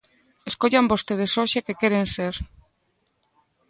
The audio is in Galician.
Escollan vostedes hoxe que queren ser.